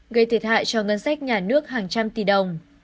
gây thiệt hại cho ngân sách nhà nước hàng trăm tỷ đồng